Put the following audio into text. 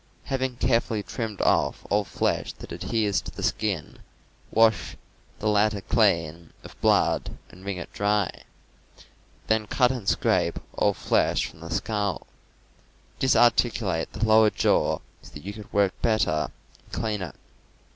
Having carefully trimmed off all flesh that adheres to the skin, wash the latter clean of blood and wring it dry. Then cut and scrape all flesh from the skull. Disarticulate the lower jaw so that you can work better, and clean it.